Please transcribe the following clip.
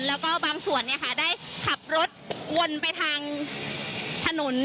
แล้วก็บางส่วนได้ขับรถวนไปทางถนน